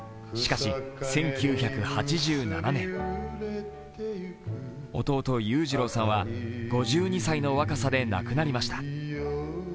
しかし、１９８７年、弟・裕次郎さんは５２歳の若さで亡くなりました。